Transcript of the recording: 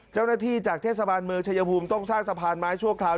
เจ้าหน้าที่จากเทศบาลเมืองชายภูมิต้องสร้างสะพานไม้ชั่วคราว